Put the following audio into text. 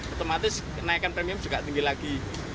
otomatis kenaikan premium juga tinggi lagi